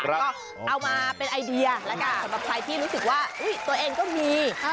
ก็เอามาเป็นไอเดียแล้วกับใครที่รู้สึกว่าอุ้ยตัวเองก็มี